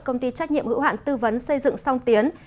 công ty trách nhiệm hữu hạn tư vấn xây dựng song tiến